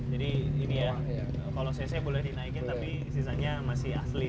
jadi ini ya kalau cc boleh dinaikin tapi sisanya masih asli